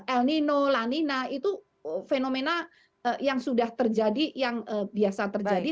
el nino la nina itu fenomena yang sudah terjadi yang biasa terjadi